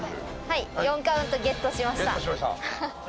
はい４カウントゲットしました